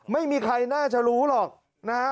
ไม่มีใครน่าจะรู้หรอกนะฮะ